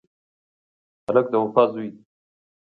هلک د وفا زوی دی.